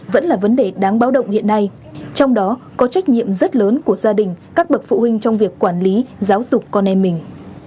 vẫn là vấn đề đáng báo động hiện nay trong đó có trách nhiệm rất lớn của gia đình các bậc phụ huynh trong việc quản lý giáo dục con em mình